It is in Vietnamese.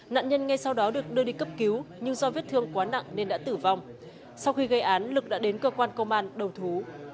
nạn nhân ngay sau đó được đưa đi cấp cứu nhưng do vết thương quá nặng nên đã tử vong sau khi gây án lực đã đến cơ quan công an đầu thú